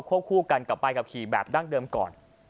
คู่กันกับใบขับขี่แบบดั้งเดิมก่อน